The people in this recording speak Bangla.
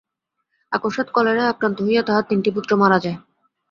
অকস্মাৎ কলেরায় আক্রান্ত হইয়া তাঁহার তিনটি পুত্র মারা যায়।